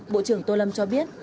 bộ trưởng tô lâm cho biết